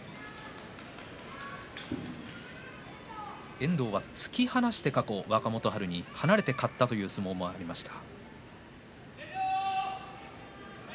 遠藤が突き放して過去、若元春に離れて勝った相撲がありました。